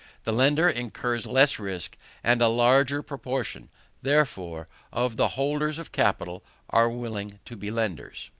The lender incurs less risk, and a larger proportion, therefore, of the holders of capital are willing to be lenders.